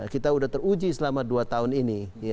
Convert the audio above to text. kita sudah teruji selama dua tahun ini